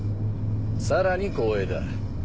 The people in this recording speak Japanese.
さらに光栄だ。